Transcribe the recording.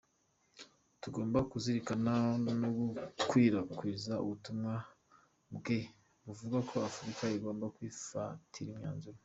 Tugomba kuzirikana no gukwirakwiza ubutumwa bwe buvuga ko Afurika igomba kwifatira imyanzuro.